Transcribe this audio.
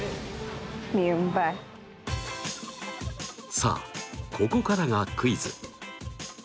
さあここからがクイズ！